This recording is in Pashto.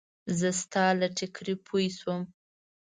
زه ستا له ټیکري پوی شوم.